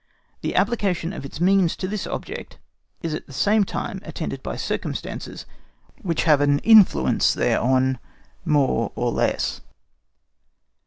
The application of its means to this object is at the same time attended by circumstances which have an influence thereon more or less.